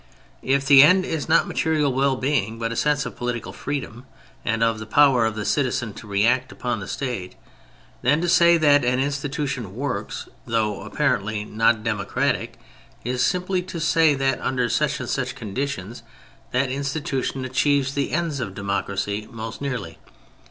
If the end is not material well being, but a sense of political freedom and of the power of the citizen to react upon the State, then to say that an institution '^ works " though apparently not democratic, is simply to say that under such and such conditions that institution achieves the ends of democracy most nearly.